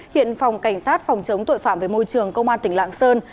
hiện phòng cảnh sát phòng chống tội phạm về môi trường công an tỉnh lạng sơn